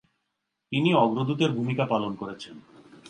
তিনি অগ্রদূতের ভূমিকা পালন করেছেন।